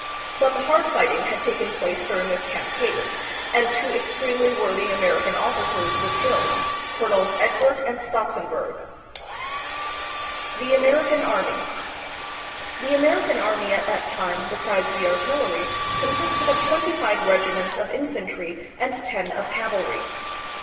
Some hard fighting had taken place during this cam paign, and two extremely worthy American officers were killed, Colonels Egbert and Stotsenberg. 300 THE PHILIPPINES. The American Army. The American army at that time, besides the artillery, consisted of twenty five regi ments of infantry and ten of cavalry.